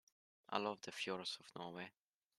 I love the fjords of Norway.